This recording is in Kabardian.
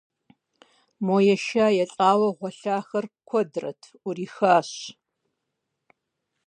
Мо еша-елӀауэ гъуэлъахэр, куэдрэт, Ӏурихащ.